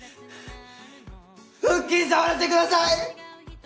腹筋触らせてください！！